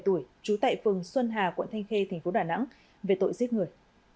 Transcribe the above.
trú tại phường xuân hà quận thanh khê tp đà nẵng về tội giết người